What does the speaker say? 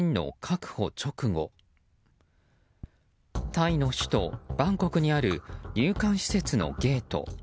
タイの首都バンコクにある入管施設のゲート。